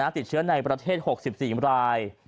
ติดเชื้อในประเทศ๖๔ราย